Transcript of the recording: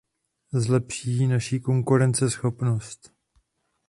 Zlepší naši konkurenceschopnost.